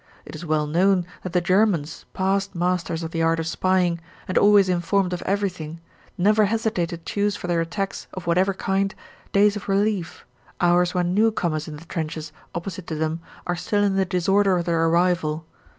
It is well knows that the Germans, past masters of the art of spying, and always informed of everything, never hesitate to choose for their attacks of whatever kind, days of relief, hours when newcomers in the trenches opposite to them are still in the disorder of their arrival.